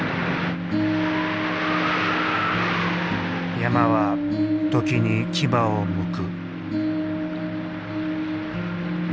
山は時に牙をむく。